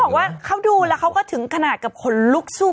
บอกว่าเขาดูแล้วเขาก็ถึงขนาดกับคนลุกสู้